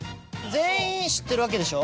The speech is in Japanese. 全員知ってるわけでしょ？